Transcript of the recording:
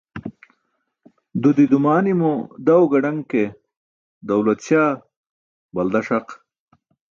Dudi dumanimo daw gadaṅ ke, dawlat śaa balda ṣaq.